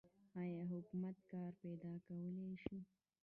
آیا حکومت کار پیدا کولی شي؟